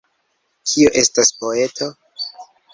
Kio estas poeto?